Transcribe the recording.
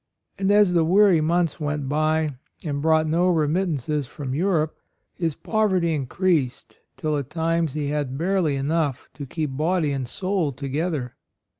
And as the weary months went by and brought no remittances from Europe, his AND MOTHER. 107 poverty increased till at times he had barely enough to keep body and soul together.